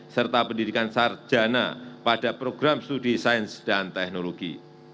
serta pendidikan sarjana pada program studi sains dan teknologi